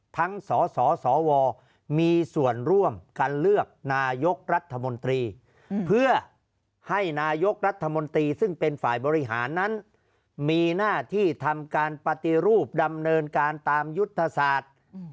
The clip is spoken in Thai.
ทั้งสสสวมีส่วนร่วมการเลือกนายกรัฐมนตรีเพื่อให้นายกรัฐมนตรีซึ่งเป็นฝ่ายบริหารนั้นมีหน้าที่ทำการปฏิรูปดำเนินการตามยุทธศาสตร์